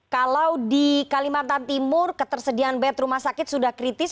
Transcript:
kalau di kalimantan timur ketersediaan bed rumah sakit sudah kritis